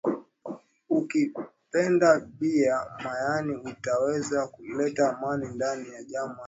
Uki pande bia mayani uta weza ku leta Amani ndani ya jama yako